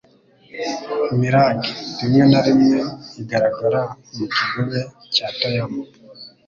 Mirage rimwe na rimwe igaragara mu kigobe cya Toyama.